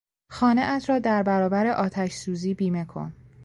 خانهات را در برابر آتش سوزی بیمه کن!